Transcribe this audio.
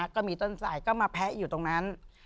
ก็มีต้นสายก็มาแพะอยู่ตรงนั้น